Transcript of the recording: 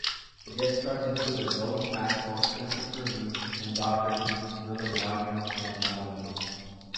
Guest stars included Lois Maxwell, Christopher Lee and "Doctor Who" villain Roger Delgado.